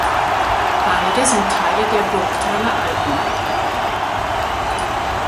Beide sind Teile der Gurktaler Alpen.